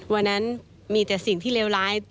วันนั้นมีแต่สิ่งที่เลวร้าย